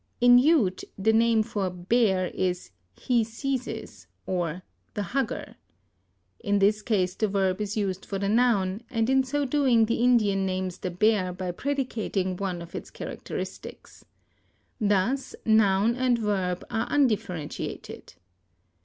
In Ute the name for bear is he seizes, or the hugger. In this case the verb is used for the noun, and in so doing the Indian names the bear by predicating one of his characteristics. Thus noun and verb are undifferentiated.